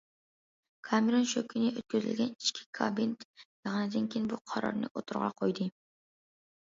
كامېرون شۇ كۈنى ئۆتكۈزۈلگەن ئىچكى كابېنت يىغىنىدىن كېيىن بۇ قارارنى ئوتتۇرىغا قويدى.